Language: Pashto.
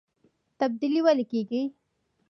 تبدیلي ولې کیږي؟